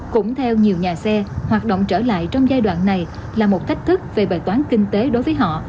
cũng theo nhiều nhà xe hoạt động trở lại trong giai đoạn này là một thách thức về bài toán kinh tế đối với họ